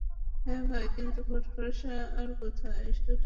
হ্যাঁ, ভাই কিন্তু ভোটে ভরসা আর কোথায়, শুধু টাকা চলে।